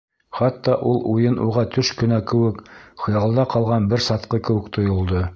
Хатта ул уйын уға төш кенә кеүек, хыялда ҡалған бер сатҡы кеүек тойолдо.